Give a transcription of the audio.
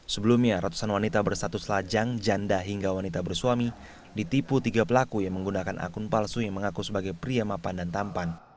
sebelumnya ratusan wanita bersatu selajang janda hingga wanita bersuami ditipu tiga pelaku yang menggunakan akun palsu yang mengaku sebagai pria mapan dan tampan